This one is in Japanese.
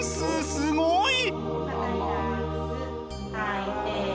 すごい！